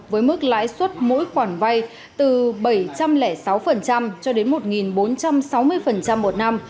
với mức lãi suất mỗi khoản vay từ bảy trăm linh sáu cho đến một bốn trăm sáu mươi một năm